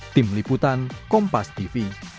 tim liputan kompas tv